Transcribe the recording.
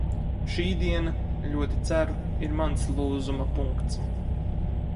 Šī diena, ļoti ceru, ir mans lūzuma punkts.